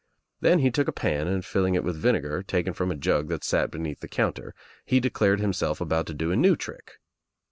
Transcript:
Then he took a pan and filling it with vinegar, taken from a jug that sat beneath the counter, he declared himself about to do a new trick.